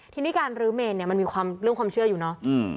ทีนี้การลื้อเมนเนี่ยมันมีความเรื่องความเชื่ออยู่เนาะ